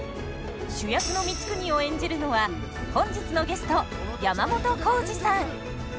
主役の光圀を演じるのは本日のゲスト山本耕史さん！